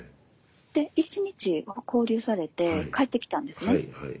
で１日勾留されて帰ってきたんですね。